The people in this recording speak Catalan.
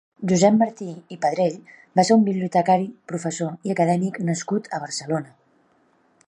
Josep Martí i Pedrell va ser un bibliotecari, professor i acadèmic nascut a Barcelona.